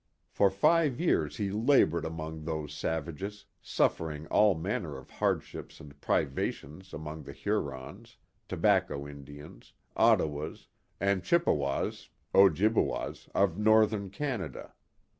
For five years he labored among those savages, suffering all manner of hardships and privations among the Hurons, Tobacco Indians, Ottawas, and Chippe was (Ojibwas) of northern Canada.